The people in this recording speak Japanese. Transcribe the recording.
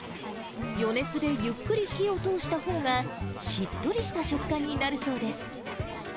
余熱でゆっくり火を通したほうが、しっとりした食感になるそうです。